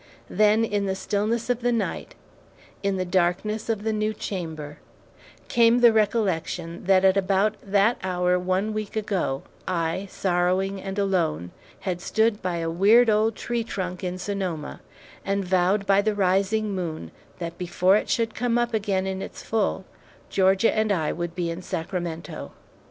Then in the stillness of the night, in the darkness of the new chamber, came the recollection that at about that hour one week ago, I, sorrowing and alone, had stood by a weird old tree trunk in Sonoma, and vowed by the rising moon that before it should come up again in its full, Georgia and I would be in Sacramento.